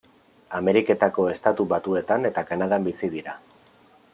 Ameriketako Estatu Batuetan eta Kanadan bizi dira.